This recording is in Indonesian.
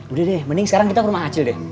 udah deh mending sekarang kita ke rumah kecil deh